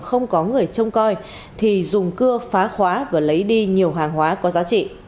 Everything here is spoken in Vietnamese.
không có người trông coi thì dùng cưa phá khóa và lấy đi nhiều hàng hóa có giá trị